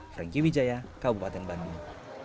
franky widjaya kabupaten bandung